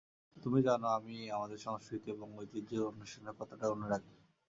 তুমি জানো আমি আমাদের সংস্কৃতি এবং ঐতিহ্যের অন্বেষণে কতটা অনুরাগী।